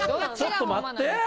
ちょっと待って。